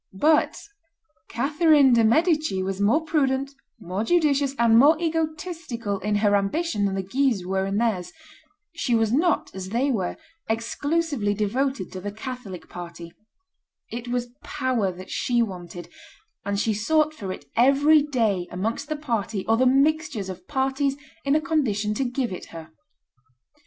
But Catherine de' Medici was more prudent, more judicious, and more egotistical in her ambition than the Guises were in theirs; she was not, as they were, exclusively devoted to the Catholic party; it was power that she wanted, and she sought for it every day amongst the party or the mixtures of parties in a condition to give it her.